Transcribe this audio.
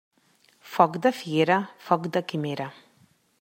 Foc de figuera, foc de quimera.